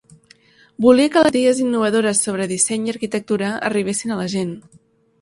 Volia que les idees innovadores sobre disseny i arquitectura arribessin a la gent.